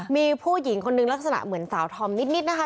มีผู้หญิงคนนึงลักษณะเหมือนสาวธอมนิดนะคะ